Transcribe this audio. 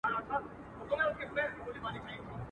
زما لا اوس هم دي په مخ کي د ژوندون ښکلي کلونه.